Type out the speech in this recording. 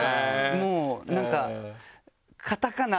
もうなんか。